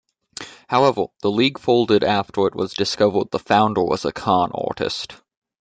However, the league folded after it was discovered the founder was a con-artist.